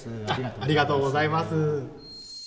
ありがとうございます。